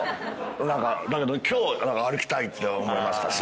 何か今日歩きたいって思いましたし。